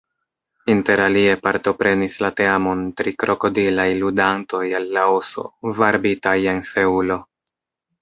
Interalie partoprenis la teamon tri krokodilaj ludantoj el Laoso, varbitaj en Seulo.